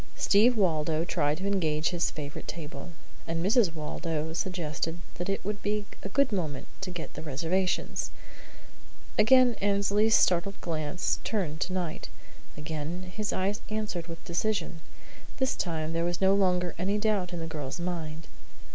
Steve Waldo tried to engage his favourite table, and Mrs. Waldo suggested that it would be a good moment to get the reservations. Again Annesley's startled glance turned to Knight. Again his eyes answered with decision. This time there was no longer any doubt in the girl's mind.